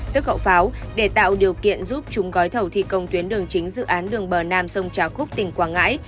tức hậu pháo để tạo điều kiện giúp chúng gói thầu thi công tuyến đường chính dự án đường bờ nam sông trà khúc tỉnh quảng ngãi